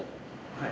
はい。